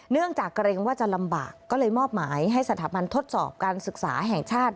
เนื่องจากเกรงว่าจะลำบากก็เลยมอบหมายให้สถาบันทดสอบการศึกษาแห่งชาติ